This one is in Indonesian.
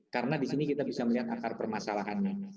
karena di sini kita bisa melihat akar permasalahannya